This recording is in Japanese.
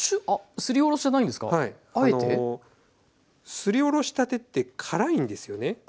すりおろしたてって辛いんですよね。